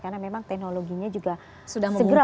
karena memang teknologinya juga segera berkembang